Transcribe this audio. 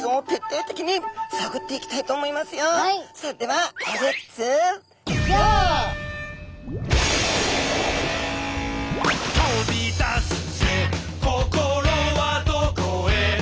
それでは「飛び出すぜ心はどこへ」